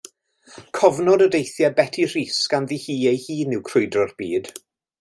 Cofnod o deithiau Beti Rhys ganddi hi ei hun yw Crwydro'r Byd.